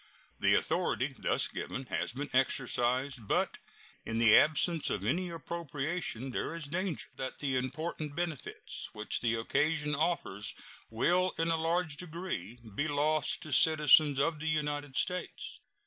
The authority thus given has been exercised, but, in the absence of any appropriation, there is danger that the important benefits which the occasion offers will in a large degree be lost to citizens of the United States.